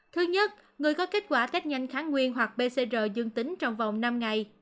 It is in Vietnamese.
thứ nhất người có kết quả test nhanh kháng nguyên hoặc pcr dương tính trong vòng năm ngày